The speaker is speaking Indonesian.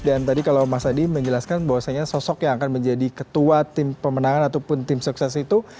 dan tadi kalau mas adi menjelaskan bahwasanya sosok yang akan menjadi ketua tim pemenangan ataupun tim sukses itu